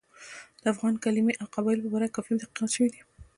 د افغان کلمې او قبایلو په باره کې کافي تحقیقات شوي.